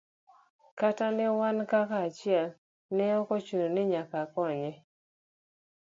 Kata ne wan kaka achiel ne ok ochuno ni nyaka akonye.